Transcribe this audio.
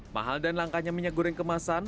mahal dan langkanya minyak goreng kemasan